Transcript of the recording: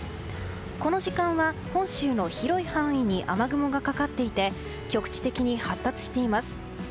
この時間は本州の広い範囲に雨雲がかかっていて局地的に発達しています。